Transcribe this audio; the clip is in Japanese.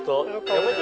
やめて！